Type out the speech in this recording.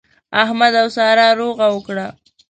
احمد او سارا روغه وکړه.